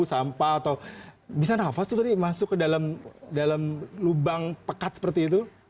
sampah atau bisa nafas tuh tadi masuk ke dalam lubang pekat seperti itu